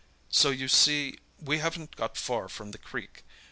So you see we haven't got far from the creek.